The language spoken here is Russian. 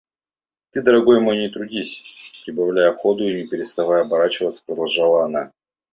– Ты, дорогой мой, не трудись! – прибавляя ходу и не переставая оборачиваться, продолжала она.